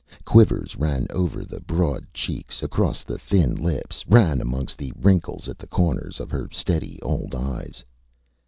Quivers ran over the broad cheeks, across the thin lips, ran amongst the wrinkles at the corners of her steady old eyes.